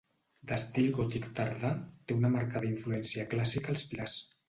D'estil gòtic tardà, té una marcada influència clàssica als pilars.